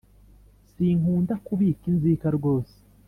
Sinkunda kubika inzika rwose